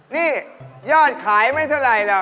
ตีไหนอ่ะตีไหนไม่รู้จักนั้นอ่ะ